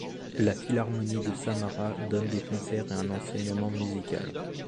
La philharmonie de Samara donne des concerts et un enseignement musical.